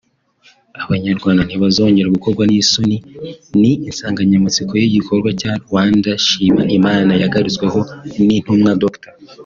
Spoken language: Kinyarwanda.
“Abanyarwanda ntibazongera gukorwa n’isoni” ni insanganyamatsiko y’igikorwa cya Rwanda Shima Imana yagarutsweho n’Intumwa Dr